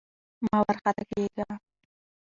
مه وارخطا کېږه!